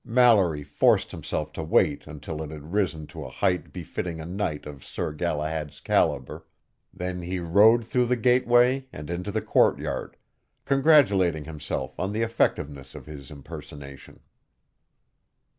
Mallory forced himself to wait until it had risen to a height befitting a knight of Sir Galahad's caliber, then he rode through the gateway and into the courtyard, congratulating himself on the effectiveness of his impersonation.